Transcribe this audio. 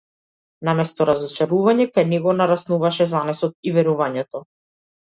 Наместо разочарување, кај него нараснуваше занесот и верувањето.